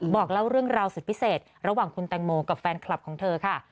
บอกเล่าเรื่องราวสุดพิเศษระหว่างคุณแตงโมกับแฟนคลับของเธอค่ะ